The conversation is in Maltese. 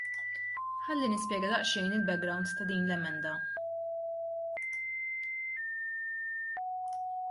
Ħalli nispjega daqsxejn il-background ta' din l-emenda.